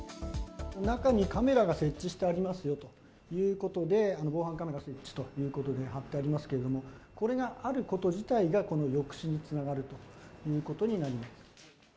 中にカメラが設置してありますよということで、防犯カメラ設置ということで貼ってありますけれども、これがあること自体がこの抑止につながるということになります。